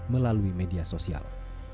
melalui media sosial